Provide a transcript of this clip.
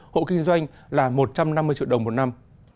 hộ kinh doanh là một trăm năm mươi triệu đồng một năm